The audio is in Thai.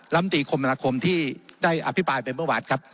ลำตีคมนาคมที่ได้อภิปรายไปเมื่อวานครับ